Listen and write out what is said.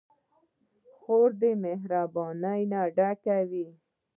خور د مهربانۍ نه ډکه وي.